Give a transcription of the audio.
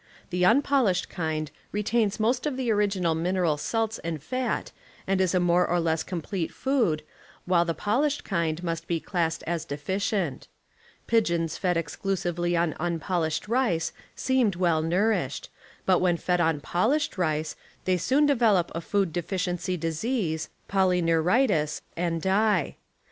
The impolished kind retains most of the original mineral salts and fat and is a more or less com plete food, while the polished kind must be classed as deficient. Pigeons fed exclusively on unpolished rice seem well nourished, but when fed on polished rice they soon develop a food de ficiency disease, polyneuritis, and die.